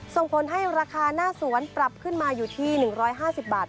ส่งผลให้ราคาหน้าสวนปรับขึ้นมาอยู่ที่๑๕๐บาท